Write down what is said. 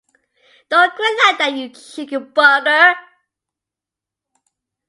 Don’t grin like that, you cheeky bugger!